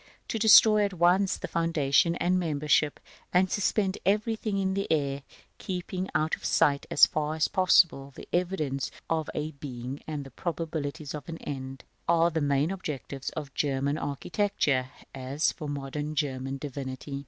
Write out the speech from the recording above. To destroy at once foundation and membership, and suspend everything in the air, keeping out of sight, as far as possible, the evidences of a beginning and the probabilities of an end, are the main objects of German architecture, as of modern German divinity.